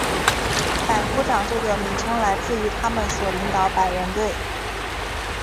百夫长这个名称来自于他们所领导百人队。